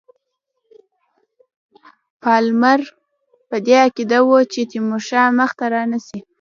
پالمر په دې عقیده وو چې تیمورشاه مخته رانه سي.